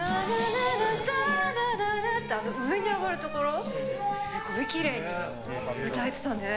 らららーの上に上がるところすごいきれいに歌えてたね。